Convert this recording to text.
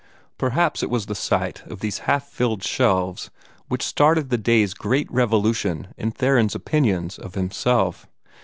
Perhaps it was the sight of these half filled shelves which started this day's great revolution in Theron's opinions of himself.